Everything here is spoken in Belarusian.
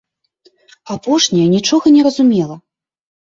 Апошняя нічога не разумела.